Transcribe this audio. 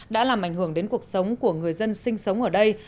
đã làm ảnh hưởng đến cuộc sống của người dân sinh sống ở đây